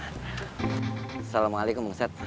assalamualaikum bang ustadz